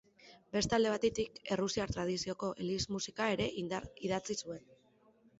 Beste alde batetik, errusiar tradizioko eliz musika ere idatzi zuen.